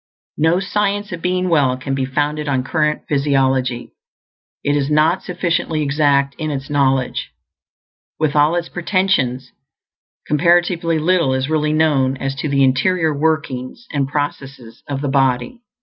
No Science of Being Well can be founded on current physiology; it is not sufficiently exact in its knowledge. With all its pretensions, comparatively little is really known as to the interior workings and processes of the body.